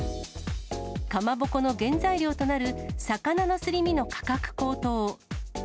かまぼこの原材料となる魚のすり身の価格高騰。